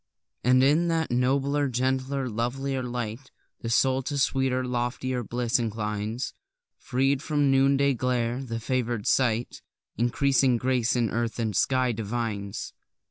And in that nobler, gentler, lovelier light, The soul to sweeter, loftier bliss inclines; Freed from the noonday glare, the favour'd sight Increasing grace in earth and sky divines.